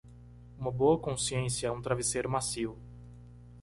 Uma boa consciência é um travesseiro macio.